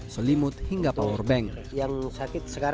selimut hingga panggung